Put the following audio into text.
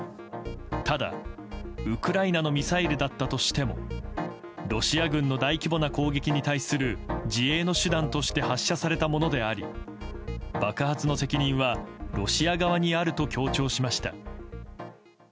ただ、ウクライナのミサイルだったとしてもロシア軍の大規模な攻撃に対する自衛の手段として発射されたものであり爆発の責任はロシア側にあると強調しました。